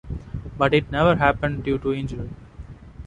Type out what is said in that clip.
But it never happened due to injury.